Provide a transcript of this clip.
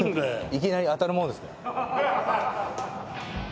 いきなり当たるものですね。